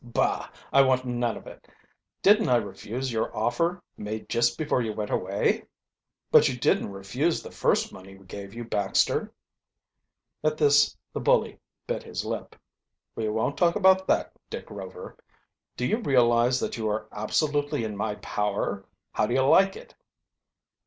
Bah! I want none of it. Didn't I refuse your offer, made just before you went away?" "But you didn't refuse the first money we gave you, Baxter." At this the bully bit his lip. "We won't talk about that, Dick Rover. Do you realize that you are absolutely in my power? How do you like it?"